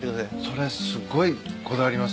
それすごいこだわりますね。